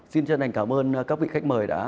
xin chân thành cảm ơn các vị khách mời đã